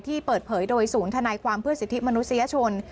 เปิดเผยโดยศูนย์ธนายความเพื่อสิทธิมนุษยชน